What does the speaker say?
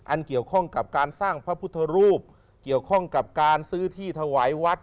เกี่ยวข้องกับการสร้างพระพุทธรูปเกี่ยวข้องกับการซื้อที่ถวายวัด